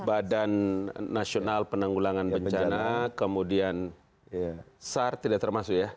badan nasional penanggulangan bencana kemudian sar tidak termasuk ya